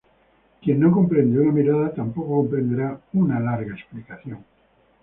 Quien no comprende una mirada tampoco comprenderá una larga explicación